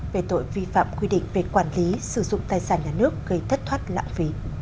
về tội vi phạm quy định về quản lý sử dụng tài sản nhà nước gây thất thoát lãng phí